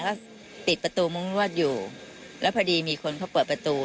ก็ปิดประตูมุ้งนวดอยู่แล้วพอดีมีคนเขาเปิดประตู